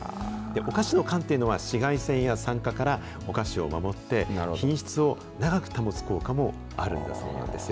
お菓子の缶っていうのは、紫外線や酸化からお菓子を守って、品質を長く保つ効果もあるんだそうなんですよ。